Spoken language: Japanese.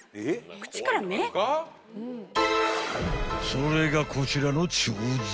［それがこちらの彫像］